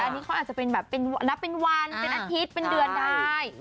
อันนี้เขาอาจจะเป็นแบบนับเป็นวันเป็นอาทิตย์เป็นเดือนได้